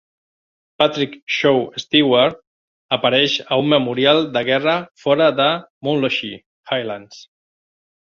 Patrick Shaw Stewart apareix a un memorial de guerra fora de Munlochy Highlands.